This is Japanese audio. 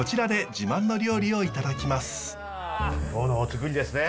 今日のお造りですね。